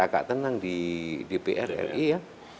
agak tenang di prri ya